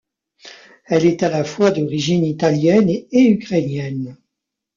Elle est à la fois d'origine italienne et ukrainienne.